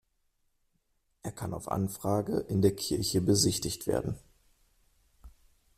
Er kann auf Anfrage in der Kirche besichtigt werden.